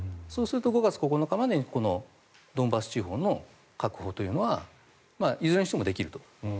そうすると５月９日までにこのドンバス地方の確保というのはいずれにしてもできると。